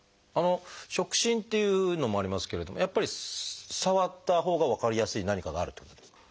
「触診」っていうのもありますけれどもやっぱり触ったほうが分かりやすい何かがあるってことですか？